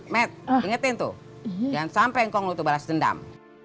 met ingetin tuh jangan sampe ngong lo balas dendam